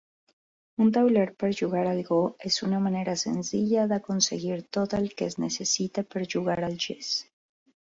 Un tauler per jugar al go és una manera senzilla d'aconseguir tot el que es necessita per jugar al "gess".